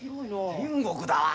天国だわ。